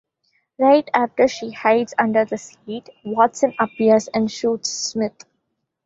Right after she hides under the seat, Watson appears and shoots Smith.